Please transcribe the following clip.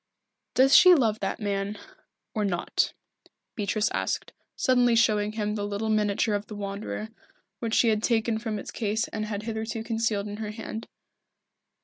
"Does she love that man or not?" Beatrice asked, suddenly showing him the little miniature of the Wanderer, which she had taken from its case and had hitherto concealed in her hand.